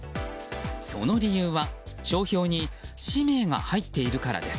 その理由は、商標に氏名が入っているからです。